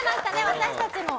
私たちも。